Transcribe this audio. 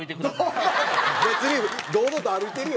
蛍原：別に、堂々と歩いてるよ。